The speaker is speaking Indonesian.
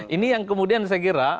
ini yang kemudian saya kira